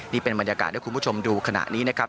นี่เป็นบรรยากาศให้คุณผู้ชมดูขณะนี้นะครับ